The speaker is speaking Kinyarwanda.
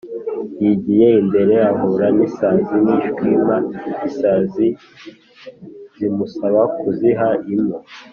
yigiye imbere ahura n’isazi n’ishwima. isazi zimusaba kuziha impu